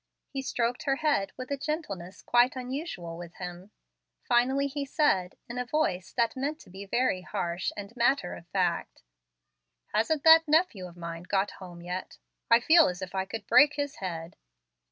He stroked her head with a gentleness quite unusual with him. Finally he said, in a voice that he meant to be very harsh and matter of fact, "Hasn't that nephew of mine got home yet? I feel as if I could break his head."